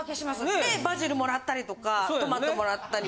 でバジルもらったりとかトマトもらったり。